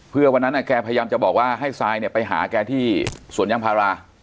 เพื่อวันนั้นแกพยายามจะบอกว่าให้ซายเนี่ยไปหาแกที่สวนยางพารา